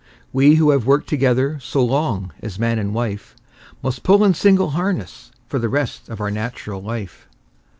We, who have worked together so long as man and wife, Must pull in single harness for the rest of our nat'ral life.